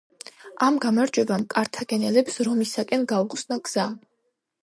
ამ გამარჯვებამ კართაგენელებს რომისაკენ გაუხსნა გზა.